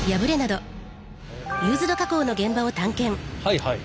はいはい。